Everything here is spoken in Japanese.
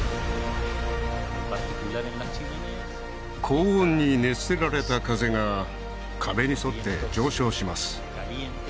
高温に熱せられた風が壁に沿って上昇します